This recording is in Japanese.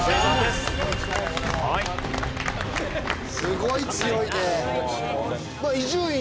すごい強いね。